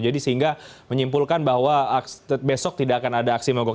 jadi sehingga menyimpulkan bahwa besok tidak akan ada aksi mogok